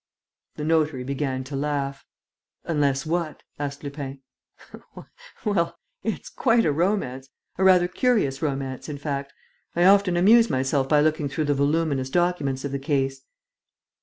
The notary began to laugh. "Unless what?" asked Lupin. "Well, it's quite a romance, a rather curious romance, in fact. I often amuse myself by looking through the voluminous documents of the case."